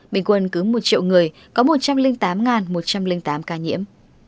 bình quân cứ một triệu người có một trăm linh tám một trăm linh tám ca nhiễm